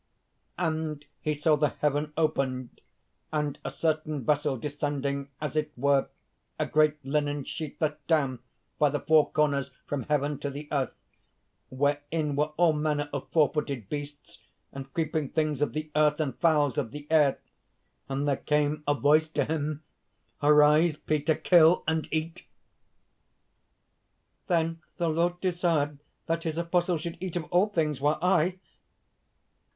_'And he saw the heaven opened, and a certain vessel descending, as it were a great linen sheet let down by the four corners from heaven to the earth wherein were all manner of four footed beasts, and creeping things of the earth and fowls of the air. And there came a voice to him: Arise, Peter! Kill and eat!'_ "Then the Lord desired that his apostle should eat of all things?... while I...."